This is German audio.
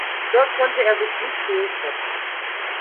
Dort konnte er sich nicht durchsetzen.